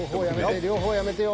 両方はやめてよ。